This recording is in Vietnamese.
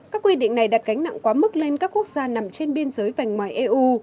các quy định này đặt gánh nặng quá mức lên các quốc gia nằm trên biên giới vành ngoài eu